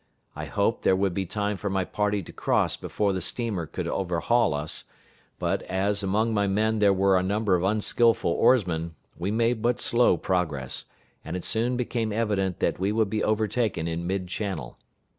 I hoped there would be time for my party to cross before the steamer could overhaul us; but as among my men there were a number of unskillful oarsmen, we made but slow progress, and it soon became evident that we would be overtaken in mid channel.